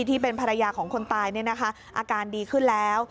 ที่เป็นภรรยาของคนตายเนี่ยนะคะอาการดีขึ้นแล้ว